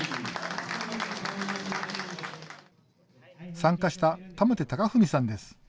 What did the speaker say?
参加した玉手崇史さんです。